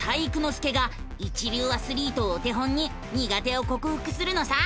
介が一流アスリートをお手本に苦手をこくふくするのさ！